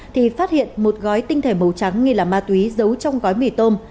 thì phát hiện một gói tinh thể màu trắng nghi là ma túy giấu trong gói mì tôm